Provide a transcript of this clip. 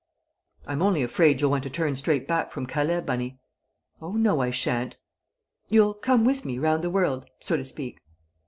"I'm only afraid you'll want to turn straight back from Calais, Bunny!" "Oh, no, I shan't." "You'll come with me round the world, so to speak?"